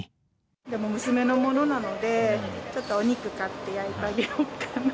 でも娘のものなので、ちょっとお肉買って焼いてあげようかな。